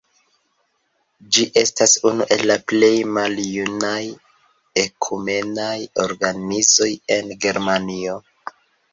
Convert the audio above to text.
Ĝi estas unu el la plej maljunaj ekumenaj organizoj en Germanio.